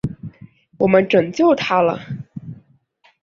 我们拯救他了！